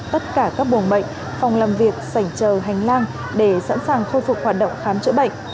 tất cả các buồng bệnh phòng làm việc sảnh trờ hành lang để sẵn sàng khôi phục hoạt động khám chữa bệnh